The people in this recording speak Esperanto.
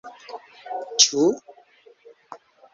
ĉu